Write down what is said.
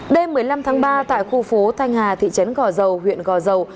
đêm một mươi năm tháng ba tại khu phố thanh hà thị trấn gò dầu huyện gò dầu